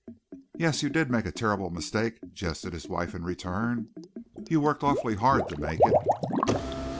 "Yes, you did make a terrible mistake," jested his wife in return. "You worked awfully hard to make it."